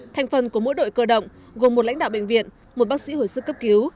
thành phần của mỗi đội cơ động gồm một lãnh đạo bệnh viện một bác sĩ hồi sức cấp cứu